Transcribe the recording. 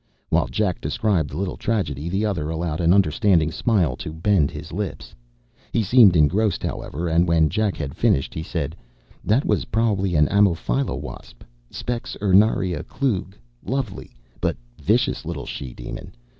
While Jack described the little tragedy, the other allowed an understanding smile to bend his lips. He seemed engrossed, however, and when Jack had finished, he said: "That was probably an ammophila wasp. Sphex urnaria Klug. Lovely, but vicious, little she demon.